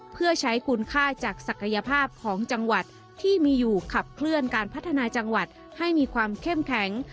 เพื่อใช้คุณค่าจากศักยภาพของจังหวัดที่มีอยู่ขับเคลื่อนการพัฒนาจังหวัดให้มีความเข้มแข็ง